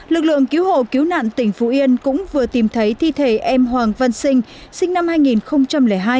lực lượng cứu hộ cứu nạn tỉnh phú yên cũng vừa tìm thấy thi thể em hoàng văn sinh sinh năm hai nghìn hai